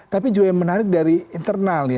tapi juga yang menarik dari internal ya